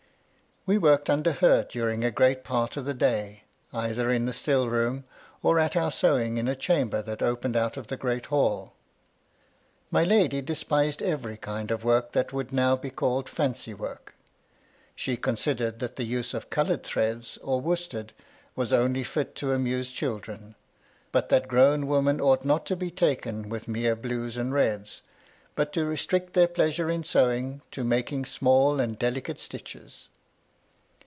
We worked under her during a great part of the day, either in the still room, or at our sewing in a chamber that opened out of the great halL My lady despised every kind of work that would now be called Fancy work. She con sidered that the use of coloured threads or worsted was only fit to amuse children ; but that grown women ought not to be taken with mere blues and reds, but to restrict their pleasure in sewing to making small and delicate stitches.